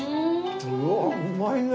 うわうまいね！